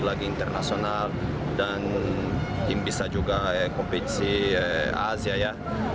lagi internasional dan tim bisa juga kompetisi asia ya